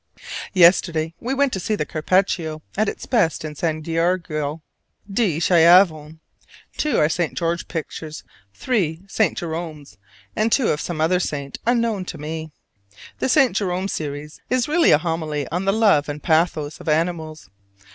Yesterday we went to see Carpaccio at his best in San Giorgio di Schiavone: two are St. George pictures, three St. Jeromes, and two of some other saint unknown to me. The St. Jerome series is really a homily on the love and pathos of animals.